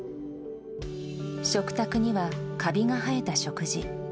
食卓にはかびが生えた食事。